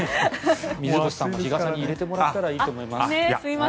水越さんも日傘に入れてもらったらいいと思います。